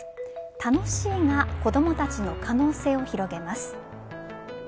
楽しいが子どもたちの可能性を広げます。